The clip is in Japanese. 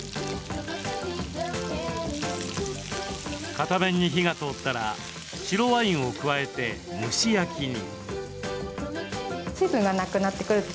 片面に火が通ったら白ワインを加えて蒸し焼きに。